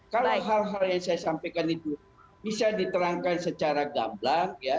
kalau hal hal yang saya sampaikan itu bisa diterangkan secara gamblang